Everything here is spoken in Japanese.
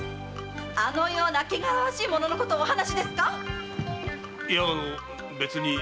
あのような汚らわしい者のことをお話ですか⁉いやあの別に。